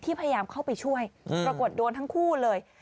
พยายามเข้าไปช่วยปรากฏโดนทั้งคู่เลย